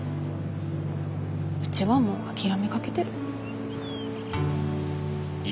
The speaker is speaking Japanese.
うちはもう諦めかけてる。